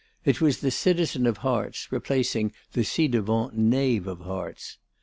It was the citizen of hearts replacing the ci devant knave of hearts.